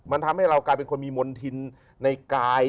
มันทำให้เรากลายเป็นคนมีมณฑินในกาย